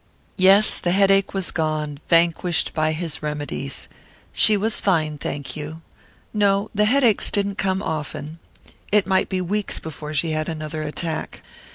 Yes, the headache was gone, vanquished by his remedies. She was fine, thank you. No, the headaches didn't come often. It might be weeks before she had another attack.